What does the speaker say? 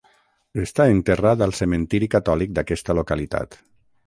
Està enterrat al cementiri catòlic d'aquesta localitat.